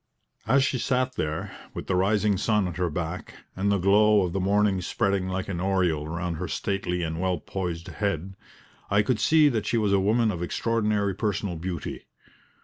As she sat there, with the rising sun at her back, and the glow of the morning spreading like an aureole around her stately and well poised head, I could see that she was a woman of extraordinary personal beauty.